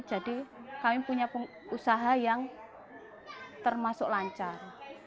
jadi kami punya usaha yang termasuk lancar